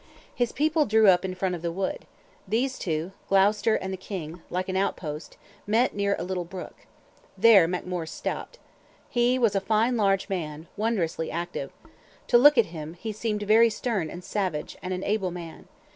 His people drew up in front of the wood. These two (Gloucester and the King), like an out post, met near a little brook. There MacMore stopped. He was a fine large man—wondrously active. To look at him, he seemed very stern and savage, and an able man.